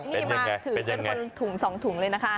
น่าสุดมากเป็นยังไงถึงเป็นคนถุง๒ถุงเลยนะคะ